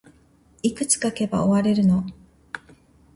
いくつ書けば終われるの